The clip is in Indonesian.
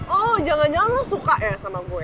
oh jangan jangan lo suka ya sama kue